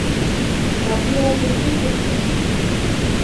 Багира беҙҙе күрҙе!